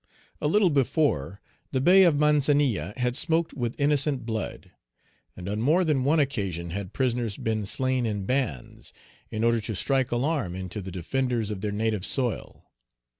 A little before, the bay of Mancenille had smoked with innocent blood. And on more than one occasion had prisoners been slain in bands, in order to strike alarm into the defenders of their native soil.